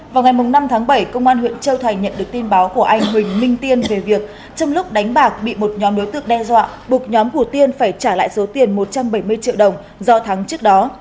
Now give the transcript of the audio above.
vào ngày năm tháng bảy công an huyện châu thành nhận được tin báo của anh huỳnh minh tiên về việc trong lúc đánh bạc bị một nhóm đối tượng đe dọa buộc nhóm của tiên phải trả lại số tiền một trăm bảy mươi triệu đồng do thắng trước đó